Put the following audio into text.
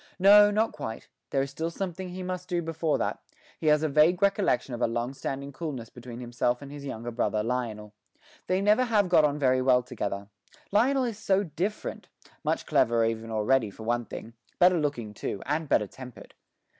No, not quite; there is still something he must do before that: he has a vague recollection of a long standing coolness between himself and his younger brother, Lionel. They never have got on very well together; Lionel is so different much cleverer even already, for one thing; better looking too, and better tempered.